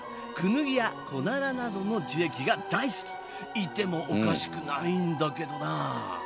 いてもおかしくないんだけどな。